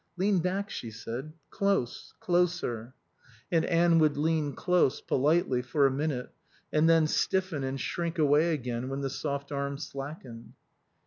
"Lean back," she said. "Close. Closer." And Anne would lean close, politely, for a minute, and then stiffen and shrink away again when the soft arm slackened.